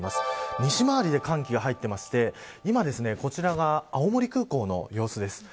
西回りで寒気が入っていまして青森空港の様子です。